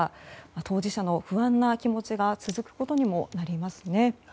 当事者の不安な気持ちが続くことにもなりますね。